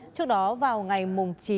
trước đó vào ngày mùng một mươi năm